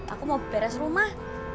aku mau beres rumah